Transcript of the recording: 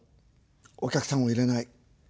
お客さんを入れない。